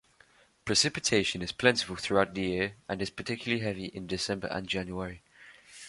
Precipitation is plentiful throughout the year, and is particularly heavy in December and January.